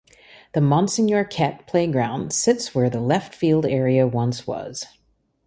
The Monsignor Kett Playground sits where the left field area once was.